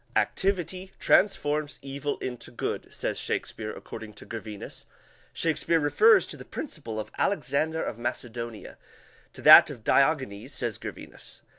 Activity transforms evil into good," says Shakespeare, according to Gervinus. Shakespeare prefers the principle of Alexander (of Macedonia) to that of Diogenes, says Gervinus.